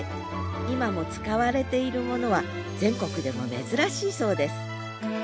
今も使われているものは全国でも珍しいそうです